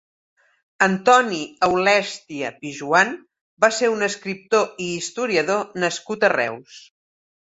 Antoni Aulèstia Pijoan va ser un escriptor i historiador nascut a Reus.